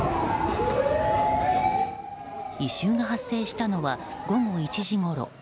異臭が発生したのは午後１時ごろ。